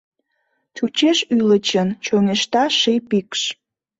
Чучеш ӱлӱчын: чоҥешта ший пикш.